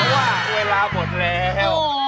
เพราะว่าเวลาหมดแล้ว